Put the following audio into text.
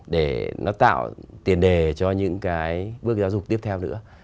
để nó tạo tiền đề cho những cái bước giáo dục tiếp theo nữa